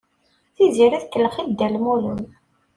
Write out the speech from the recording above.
Tiziri tkellex i Dda Lmulud.